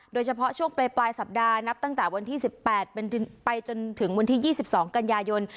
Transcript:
โดยเฉพาะช่วงปลายสัปดาห์นับตั้งแต่วันที่๑๘เป็นไปจนถึงวันที่๒๒กันยายน